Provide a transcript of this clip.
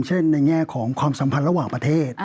ในแง่ของความสัมพันธ์ระหว่างประเทศ